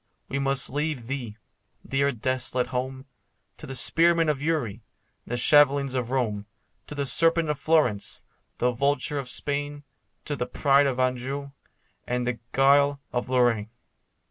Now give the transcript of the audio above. we must leave thee, dear desolate home, To the spearmen of Uri, the shavelings of Rome, To the serpent of Florence, the vulture of Spain, To the pride of Anjou, and the guile of Lorraine.